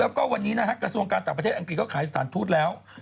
แล้วก็วันนี้นะฮะกระทรวงการต่างประเทศอังกฤษก็ขายสถานทูตแล้ว